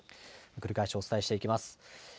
繰り返しお伝えしていきます。